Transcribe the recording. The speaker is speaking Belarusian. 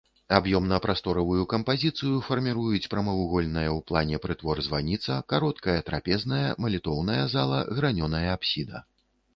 Аб'ёмна-прасторавую кампазіцыю фарміруюць прамавугольная ў плане прытвор-званіца, кароткая трапезная, малітоўная зала, гранёная апсіда.